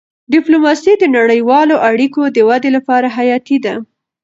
ډيپلوماسي د نړیوالو اړیکو د ودې لپاره حیاتي ده.